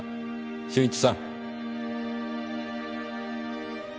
俊一さん。